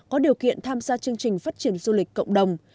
có điều kiện tham gia chương trình phát triển du lịch cộng đồng